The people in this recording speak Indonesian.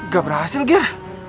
gak berhasil gir